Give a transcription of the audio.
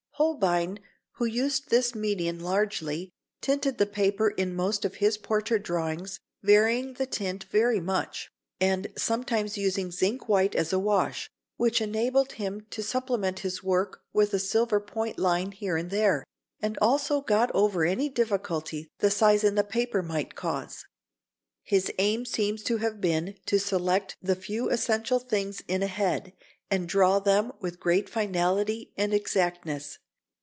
Holbein, who used this medium largely, tinted the paper in most of his portrait drawings, varying the tint very much, and sometimes using zinc white as a wash, which enabled him to supplement his work with a silver point line here and there, and also got over any difficulty the size in the paper might cause. His aim seems to have been to select the few essential things in a head and draw them with great finality and exactness.